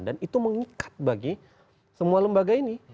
dan itu mengikat bagi semua lembaga ini